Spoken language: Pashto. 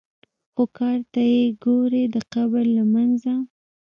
خو کار ته یې ګورې د قبر له منځه.